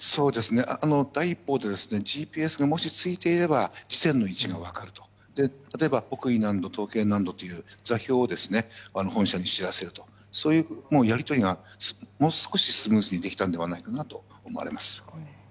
第一報でＧＰＳが、もしついていれば自船の位置が分かると例えば、北緯何度東経何度という座標を本社に知らせるというやり取りがもう少しスムーズにできたのではないかと思います。